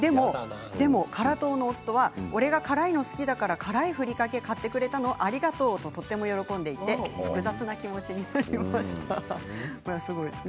でも辛党の夫は俺が辛いの好きだから辛いふりかけかけてくれたのありがとうととても喜んでいて複雑な気持ちになりました。